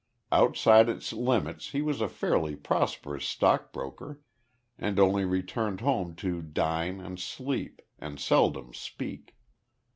Outside its limits he was a fairly prosperous stockbroker, and only returned home to dine and sleep, and seldom speak.